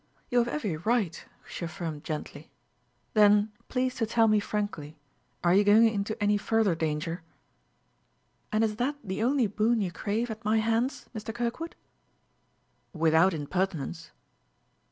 "You have every right," she affirmed gently. "Then please to tell me frankly: are you going into any further danger?" "And is that the only boon you crave at my hands, Mr. Kirkwood?" "Without impertinence